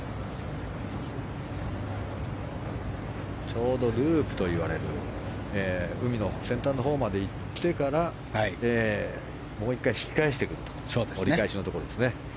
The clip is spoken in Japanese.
ちょうどループといわれる海の先端のほうまで行ってからもう１回、引き返してくると折り返しのところですね。